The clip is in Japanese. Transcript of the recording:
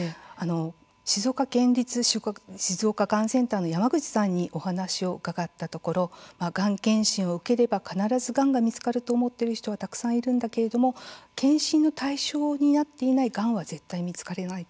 静岡県立静岡がんセンターの山口さんにお話を伺ったところがん検診を受ければ必ずがんが見つかると思っている人はたくさんいるんだけれども検診の対象となっていないがんは絶対発見できない。